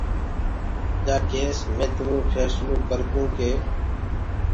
رآجآ ڪيس مي تِمرو ڦيسلو ڪردونٚ ڪي